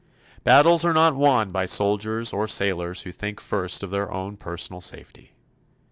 Battles are not won by soldiers or sailors who think first of their own personal safety.